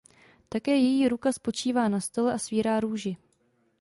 Také její ruka spočívá na stole a svírá růži.